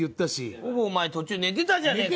ほぼお前途中寝てたじゃねえか！